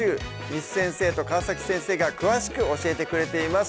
簾先生と川先生が詳しく教えてくれています